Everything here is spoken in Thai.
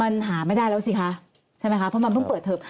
มันหาไม่ได้แล้วสิคะใช่ไหมคะเพราะมันเพิ่งเปิดเทอม